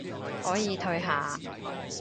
可以退下